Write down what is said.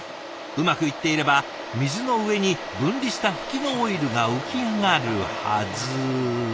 うまくいっていれば水の上に分離したフキのオイルが浮き上がるはず。